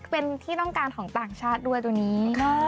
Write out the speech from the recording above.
เป็นที่ต้องการของต่างชาติด้วยตัวนี้